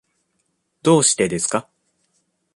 どうしてですか。